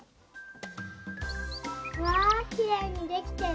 わあきれいにできてる。